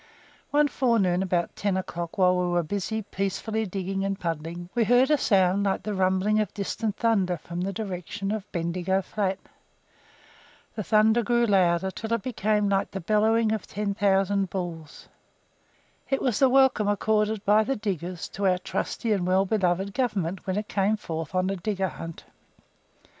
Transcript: One forenoon, about ten o'clock, while we were busy, peacefully digging and puddling, we heard a sound like the rumbling of distant thunder from the direction of Bendigo flat. The thunder grew louder until it became like the bellowing of ten thousand bulls. It was the welcome accorded by the diggers to our "trusty and well beloved" Government when it came forth on a digger hunt.